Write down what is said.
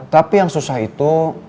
tapi yang susah itu